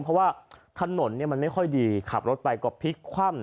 เพราะว่าถนนมันไม่ค่อยดีขับรถไปก็พลิกคว่ำ